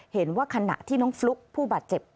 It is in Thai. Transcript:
เห็นว่าขณะที่น้องฟลุ๊กผู้บาดเจ็บ